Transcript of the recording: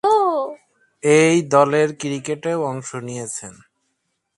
এ-দলের ক্রিকেটেও অংশ নিয়েছেন।